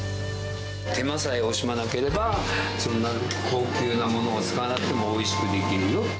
手間さえ惜しまなければ、そんな高級なものを使わなくてもおいしくできるよ。